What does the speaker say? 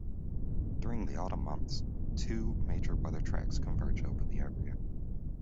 During the autumn months, two major weather tracks converge over the area.